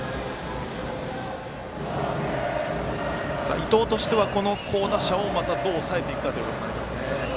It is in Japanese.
伊藤としては好打者をまた、どう抑えていくかということになりますね。